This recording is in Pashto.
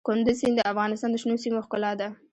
کندز سیند د افغانستان د شنو سیمو ښکلا ده.